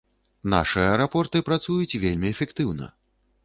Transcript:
Нашы аэрапорты працуюць вельмі эфектыўна.